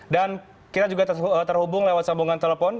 dan kita juga terhubung lewat sambungan telepon